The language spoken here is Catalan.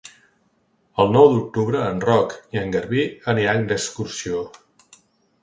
El nou d'octubre en Roc i en Garbí aniran d'excursió.